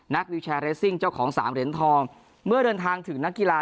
วิวแชร์เรสซิ่งเจ้าของสามเหรียญทองเมื่อเดินทางถึงนักกีฬา